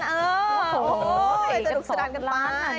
โอ้โหจะหลุกสดันกันไป